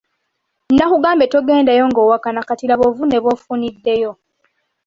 Nakugambye togendayo nga owakana kati laba obuvune bw'ofuniddeyo.